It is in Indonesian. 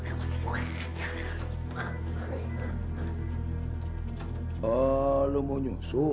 lihat ada apa ini